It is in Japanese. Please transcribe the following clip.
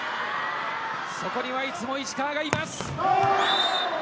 そこには、いつも石川がいます。